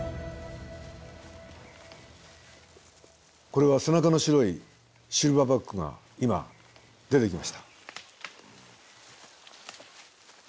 これは背中の白いシルバーバックが今出てきました。